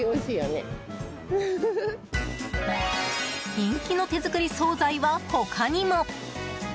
人気の手作り総菜は他にも！